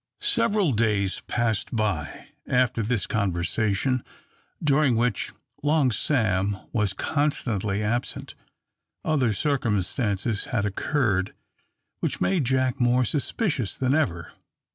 Several days passed by after this conversation, during which Long Sam was constantly absent. Other circumstances had occurred which made Jack more suspicious than ever.